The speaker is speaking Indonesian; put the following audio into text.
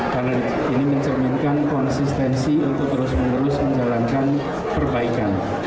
karena ini mencerminkan konsistensi untuk terus menerus menjalankan perbaikan